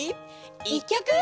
１きょく！